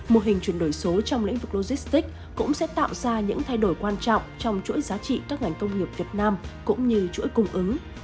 mô hình chuyển đổi số trong lĩnh vực logistics cũng sẽ tạo ra những thay đổi quan trọng trong chuỗi giá trị các ngành công nghiệp việt nam cũng như chuỗi cung ứng